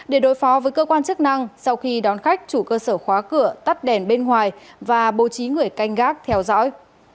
để đối phó với cơ quan chức năng sau khi đón khách chủ cơ sở khóa cửa tắt đèn bên ngoài và bố trí người canh gác theo dõi